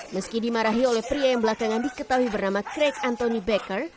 meski dimarahi oleh pria yang belakangan diketahui bernama crack anthony baker